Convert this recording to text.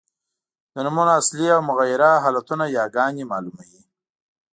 د نومونو اصلي او مغیره حالتونه یاګاني مالوموي.